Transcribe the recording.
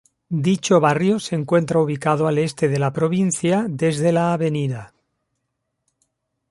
Dicho Barrio se encuentra ubicado al Este de la provincia, desde la Av.